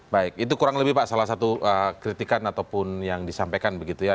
baik itu kurang lebih pak salah satu kritikan ataupun yang disampaikan begitu ya